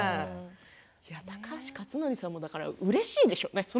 高橋克典さんもうれしいでしょうね。